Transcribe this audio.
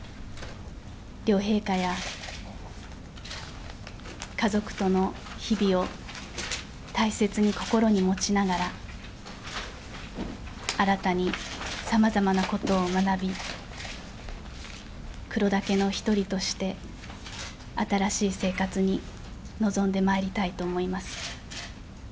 両陛下や家族との日々を大切に心に持ちながら、新たにさまざまなことを学び、黒田家の一人として、新しい生活に臨んでまいりたいと思います。